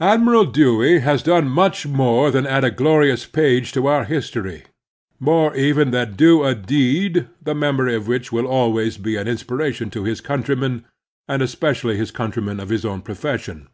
ADMIRAL DEWEY has done more than add a glorioiis page to otir history; more even than do a deed the memory of which will always be an inspiration to his coimtrymen, and especially his cotmtrymen of his own profession.